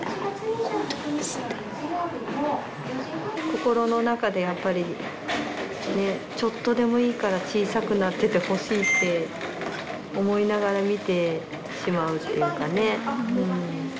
心の中でやっぱりねちょっとでもいいから小さくなっててほしいって思いながら見てしまうというかね。